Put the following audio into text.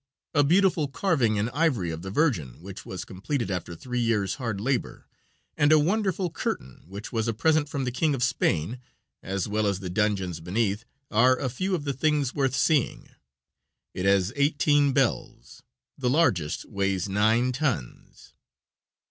A beautiful carving in ivory of the Virgin, which was completed after three years' hard labor, and a wonderful curtain, which was a present from the King of Spain, as well as the dungeons beneath, are a few of the things worth seeing. It has eighteen bells. The largest weighs nine tons.